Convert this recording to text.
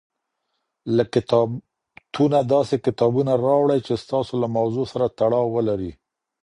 له کتابتونه داسي کتابونه راوړئ چي ستاسو له موضوع سره تړاو ولري.